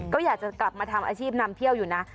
ก็อยากจะกลับมาทำอาชีพนำเที่ยวอยู่นะ